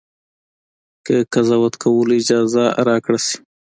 که قضاوت کولو اجازه راکړه شي.